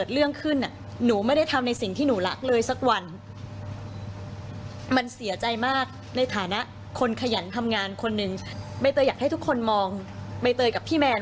เบนเตย์อยากให้ทุกคนมองเบนเตย์กับพี่แมน